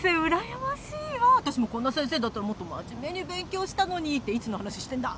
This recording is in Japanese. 私もこんな先生だったらもっと真面目に勉強したのにっていつの話してんだ？